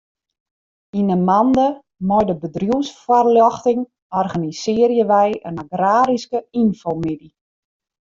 Yn 'e mande mei de bedriuwsfoarljochting organisearje wy in agraryske ynfomiddei.